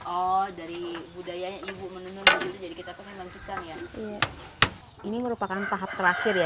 oh dari budaya ibu menenun dulu jadi kita harus melanjutkan ya